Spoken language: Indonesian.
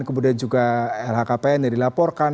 kemudian juga lhkpn yang dilaporkan